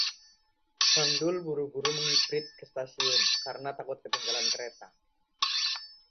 Bang Dul buru-buru mengibrit ke stasiun karena takut ketinggalan kereta